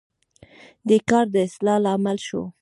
دې کار د اصلاح لامل شو.